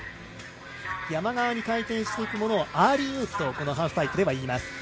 山側に回転していくものをアーリーウープとこのハウスタイプではいいます。